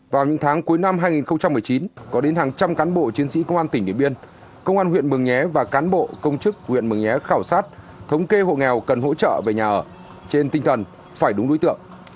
vào những tháng cuối năm hai nghìn một mươi chín có đến hàng trăm cán bộ chiến sĩ công an tỉnh điện biên công an huyện mường nhé và cán bộ công chức huyện mường nhé khảo sát thống kê hộ nghèo cần hỗ trợ về nhà ở trên tinh thần phải đúng đối tượng